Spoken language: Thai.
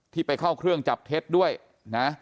ไปเข้าเครื่องจับเท็จด้วยนะ